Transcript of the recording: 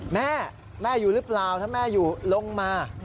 แม่แม่อยู่หรือเปล่าถ้าแม่อยู่ลงมา